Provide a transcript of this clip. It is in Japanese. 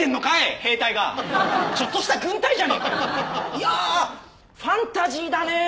いやファンタジーだね。